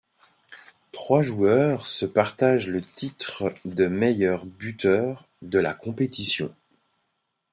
Trois joueurs se partagent le titre de meilleur buteur de la compétition.